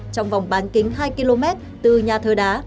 trong vòng bán kính hai km từ nhà thờ đá